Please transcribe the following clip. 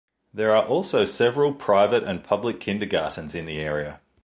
There are also several private and public kindergartens in the area.